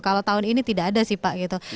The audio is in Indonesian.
kalau tahun ini tidak ada sih pak gitu